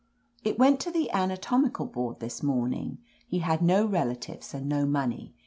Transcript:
"It went to the anatomical board this morn ing. He had no relatives and no money.